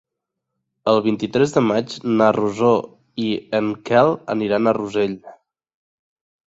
El vint-i-tres de maig na Rosó i en Quel aniran a Rossell.